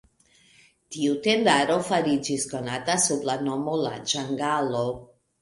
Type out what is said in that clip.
Tiu tendaro fariĝis konata sub la nomo "La Ĝangalo".